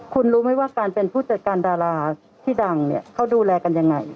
คุณรู้ไหมว่าการเป็นผู้จัดการดาราที่ดังเนี่ยเขาดูแลกันยังไง